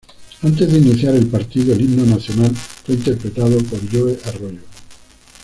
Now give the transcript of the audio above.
Antes de iniciar el partido, el himno nacional fue interpretado por Joe Arroyo.